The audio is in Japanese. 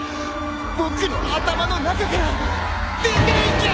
僕の頭の中から出ていけ！！